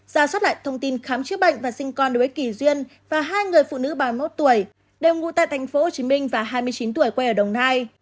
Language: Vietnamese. ra soát lại thông tin khám chữa bệnh và sinh con với kỳ duyên và hai người phụ nữ ba mươi một tuổi đều ngụ tại tp hcm và hai mươi chín tuổi quê ở đồng nai